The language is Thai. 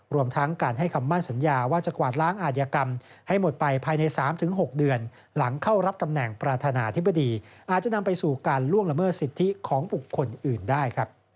รวมทั้งการให้คำมั่นสัญญาว่าจะกวาดล้างอาจยกรรมให้หมดไปภายใน๓๖เดือนหลังเข้ารับตำแหน่งประธานาธิบดีอาจจะนำไปสู่การล่วงละเมิดสิทธิของบุคคลอื่นได้